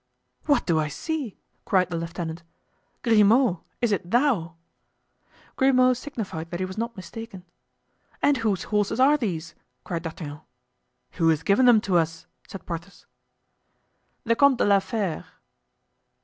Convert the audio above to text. "What do I see?" cried the lieutenant. "Grimaud, is it thou?" Grimaud signified that he was not mistaken. "And whose horses are these?" cried D'Artagnan. "Who has given them to us?" said Porthos. "The Comte de la Fere."